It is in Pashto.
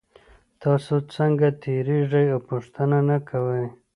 تاسو څنګه تیریږئ او پوښتنه نه کوئ